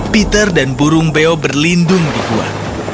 peter dan burung beo berlindung di gua